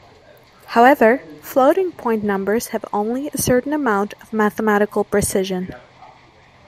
However, floating-point numbers have only a certain amount of mathematical precision.